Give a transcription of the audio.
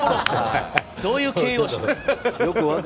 どういう形容詞ですか。